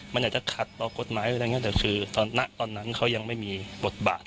มันอาจจะขัดต่อกฎหมายอะไรอย่างนี้แต่คือตอนนั้นเขายังไม่มีบทบาท